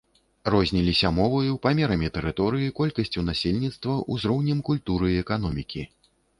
Розніліся моваю, памерамі тэрыторыі, колькасцю насельніцтва, узроўнем культуры і эканомікі.